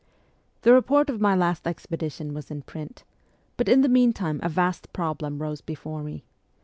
The report of my last expediton was in print ; but in the meantime a vast problem rose before me.